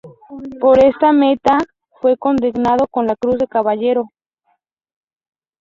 Por esta meta fue condecorado con la Cruz de Caballero.